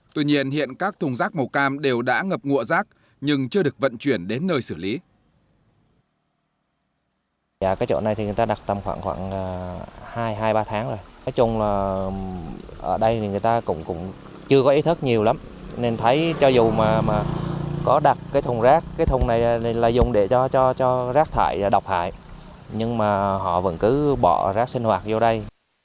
tuy nhiên hiện các thùng rác màu cam đều đã ngập ngụa rác nhưng chưa được vận chuyển đến nơi xử lý